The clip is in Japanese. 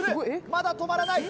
まだ止まらない！